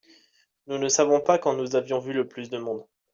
Nous ne savons pas quand nous avions vu le plus de monde.